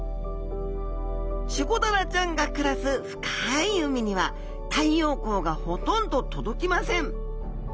チゴダラちゃんが暮らす深い海には太陽光がほとんど届きません。